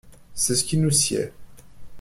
C'est ce qui nous sied.